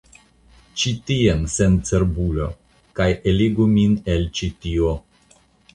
Ĉi tien, sencerbulo, kaj eligu min el ĉi tio.